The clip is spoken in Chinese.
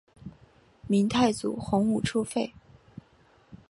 明太祖洪武初废。